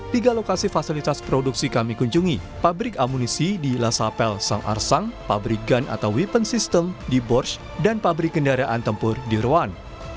tiga lokasi fasilitas produksi kami kunjungi pabrik amunisi di lasapel sang arsang pabrik gun atau weapon system di boarch dan pabrik kendaraan tempur di ruan